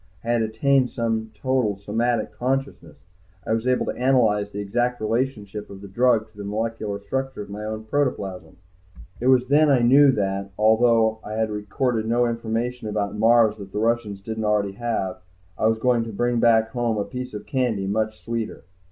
I had attained total somatic consciousness; I was able to analyze the exact relationship of the drug to the molecular structure of my own protoplasm. It was then I knew that, although I had recorded no information about Mars that the Russians didn't already have, I was going to bring back home a piece of candy much sweeter.